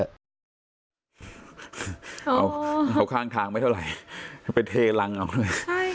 เอาเอาข้างทางไม่เท่าไหร่ไปเทลั้งเอาไงไง